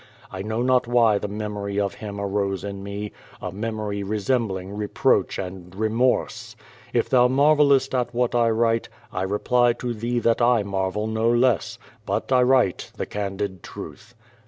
I know not why the memory of him arose in me, a memory resembling reproach and remorse. If thou marvellest at what 1 write, I reply to thee that I marvel no less, but 1 write the candid truth.